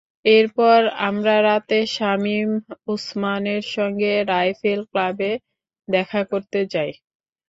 এরপর আমরা রাতে শামীম ওসমানের সঙ্গে রাইফেল ক্লাবে দেখা করতে যাই।